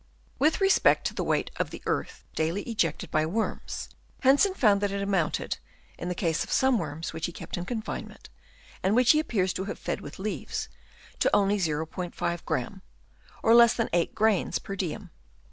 — With respect to the weight of the earth daily ejected by worms, Hensen found that it amounted, in the case of some worms which he kept in confinement, and which he appears to have fed with leaves, to only 0*5 gram, or less than 8 grains per diem.